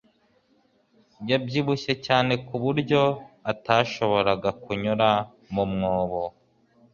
yabyibushye cyane kuburyo atashoboraga kunyura mu mwobo